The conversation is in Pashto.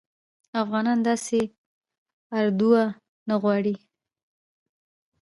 افغانان داسي اردوه نه غواړي